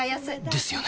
ですよね